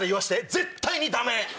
絶対にダメ！